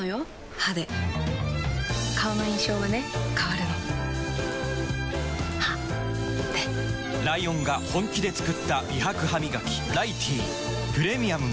歯で顔の印象はね変わるの歯でライオンが本気で作った美白ハミガキ「ライティー」プレミアムも